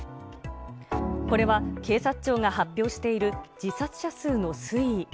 これは警察庁が発表している自殺者数の推移。